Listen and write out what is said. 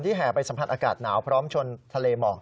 แห่ไปสัมผัสอากาศหนาวพร้อมชนทะเลหมอก